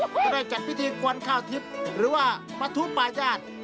ก็ได้จัดพิธีกวนข้าวทิพย์หรือว่าปะทุปาญาติ